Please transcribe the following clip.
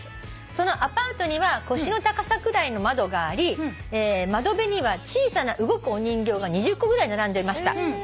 「そのアパートには腰の高さくらいの窓があり窓辺には小さな動くお人形が２０個ぐらい並んでいました」